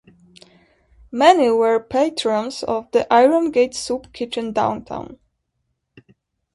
Many were patrons of the Iron Gate Soup kitchen downtown.